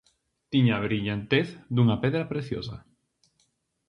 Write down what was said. Tiña a brillantez dunha pedra preciosa.